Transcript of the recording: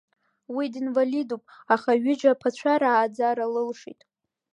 Уи динвалидуп, аха ҩыџьа аԥацәа рааӡара лылшеит.